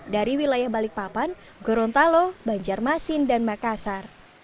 dari wilayah balikpapan gorontalo banjarmasin dan makassar